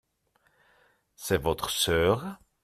C'est votre sœur ?